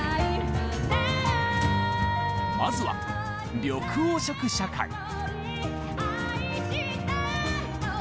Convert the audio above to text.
まずは緑黄色社会。